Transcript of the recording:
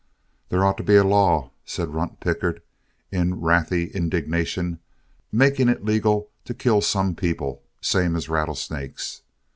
"There ought to be a law," said Runt Pickett, in wrathy indignation, "making it legal to kill some people, same as rattlesnakes.